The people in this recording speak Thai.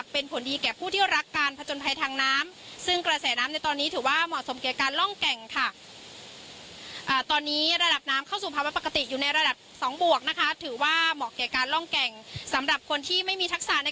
แบบนี้ระดับน้ำเข้าสู่ภาวะปกติอยู่ในระดับสองบวกนะคะถือว่าเหมาะแก่การล่องแก่งสำหรับคนที่ไม่มีทักษะใน